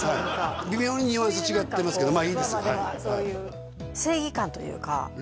微妙にニュアンス違ってますけどまあいいですはい正義感というか